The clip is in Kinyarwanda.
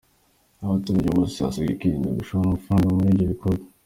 Abaturage bose basabwe kwirinda gushora amafaranga muri ibyo bikorwa.